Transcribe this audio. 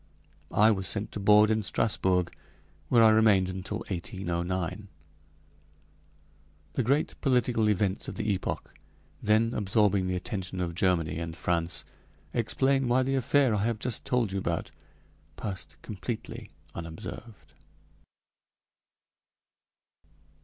I was sent to board in Strasbourg, where I remained until 1809. The great political events of the epoch then absorbing the attention of Germany and France explain why the affair I have just told you about passed completely unobserved.